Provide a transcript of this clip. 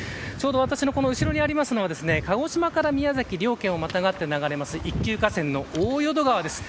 私の後ろにあるのは、鹿児島から宮崎両県をまたがって流れる一級河川の大淀川です。